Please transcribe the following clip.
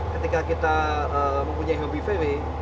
ketika kita mempunyai hobi vw